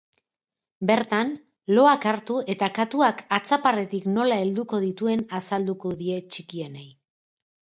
Bertan, loak hartu eta katuak atzaparretik nola helduko dituen azalduko die txikienei.